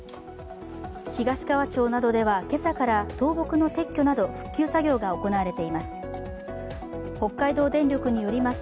東川町などでは今朝から倒木の撤去など復旧の作業が行われています。